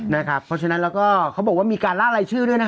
เพราะฉะนั้นแล้วก็เขาบอกว่ามีการล่ารายชื่อด้วยนะฮะ